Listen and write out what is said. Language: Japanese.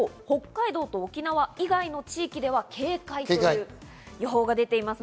今日、北海道と沖縄以外の地域では警戒という予報が出ています。